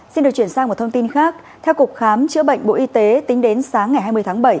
xin được chuyển sang một thông tin khác theo cục khám chữa bệnh bộ y tế tính đến sáng ngày hai mươi tháng bảy